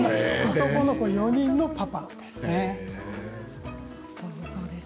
男の子４人のパパです。